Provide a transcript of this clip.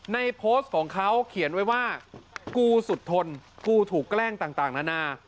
ในโพสต์ของเขาเขียนไว้ว่ากูสุดทนกูถูกแกล้งต่างนานา